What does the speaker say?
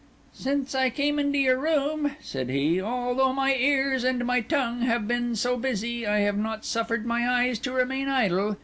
"Since I came into your room," said he, "although my ears and my tongue have been so busy, I have not suffered my eyes to remain idle.